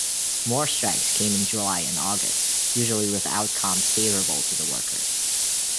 More strikes came in July and August, usually with outcomes favorable to the workers.